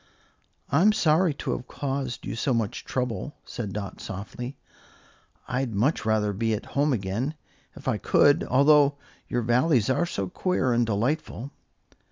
"I'm sorry to have caused you so much trouble," said Dot, softly. "I'd much rather be at home again, if I could, although your Valleys are so queer and delightful."